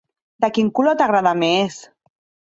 De quin color t'agrada més?